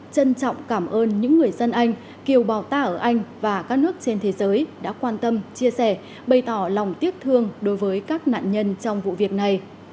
trân trọng cảm ơn những người dân anh kiều bào ta ở anh và các nước trên thế giới đã quan tâm chia sẻ bày tỏ lòng tiếc thương đối với các nạn nhân trong vụ việc này